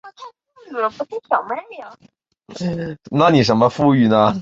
这三个头骨分别归类到不同种。